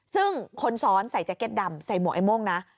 ซึ่งคนซ้อนใส่แจ็คเก็ตดำใส่หมวกไอโม่งนะ